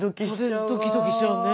それドキドキしちゃうね。